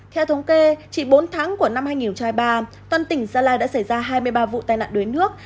theo thống kê chỉ bốn tháng của năm hai nghìn hai mươi ba toàn tỉnh gia lai đã xảy ra hai mươi ba vụ tai nạn đuối nước